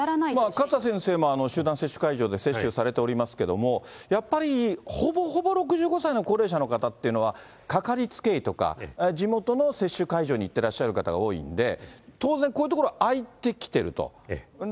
勝田先生も集団接種会場で接種されておりますけれども、やっぱり、ほぼほぼ６５歳以上の高齢者の方っていうのは掛かりつけ医とか地元の接種会場に行ってらっしゃる方が多いんで、当然、こういう所、空いてきてると。